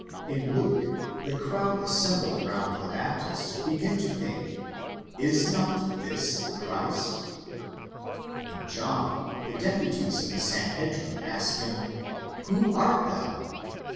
In Luke, the crowd assembled round the Baptist begin to think: Zs not this the Christ ? μήποτε αὐτὸς εἴη ὁ Χριστός ; in John, the deputies of the Sanhedrim! ask him, Who art thou?